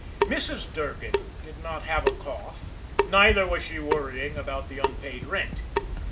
Mrs. Durgan did not have a cough, neither was she worrying about the unpaid rent.